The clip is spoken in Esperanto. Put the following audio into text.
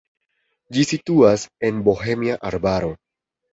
Ĝi situas en Bohemia arbaro.